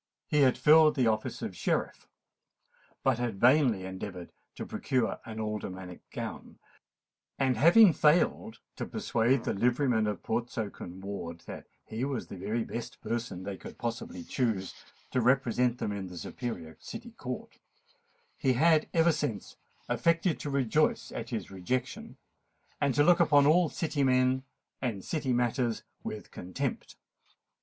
He had filled the office of Sheriff, but had vainly endeavoured to procure an aldermanic gown; and, having failed to persuade the livery men of Portsoken Ward that he was the very best person they could possibly choose to represent them in the superior City Court, he had ever since affected to rejoice at his rejection, and to look upon all City men and City matters with contempt.